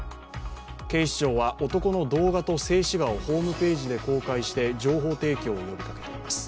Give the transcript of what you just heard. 警視庁は男の動画と静止画をホームページで公開して情報提供を呼びかけています。